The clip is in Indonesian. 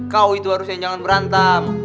kau itu harusnya jangan berantem